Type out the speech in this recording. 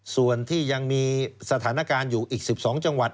ส่วนที่ยังมีสถานการณ์อยู่อีก๑๒จังหวัด